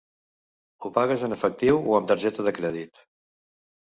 Ho pagues en efectiu o amb targeta de crèdit?